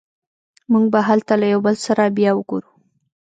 موږ به هلته له یو بل سره بیا وګورو